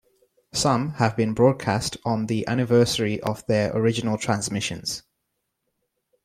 Some have been broadcast on the anniversary of their original transmissions.